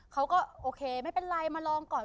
เขาก็โอเคไม่เป็นไรมาลองก่อน